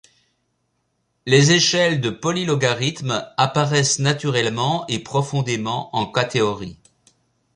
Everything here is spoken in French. Les échelles de polylogarithmes apparaissent naturellement et profondément en K-théorie.